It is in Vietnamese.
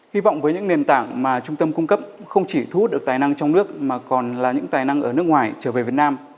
hy vọng với những nền tảng mà trung tâm cung cấp không chỉ thu hút được tài năng trong nước mà còn là những tài năng ở nước ngoài trở về việt nam